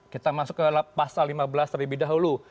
kita masuk ke pasal lima belas terlebih dahulu